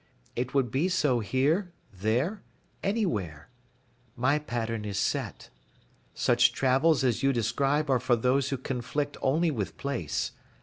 It would be so here, there, anywhere. My pattern is set. Such travels as you describe are for those who conflict only with place.